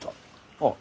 ああ。